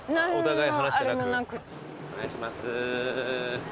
お願いします。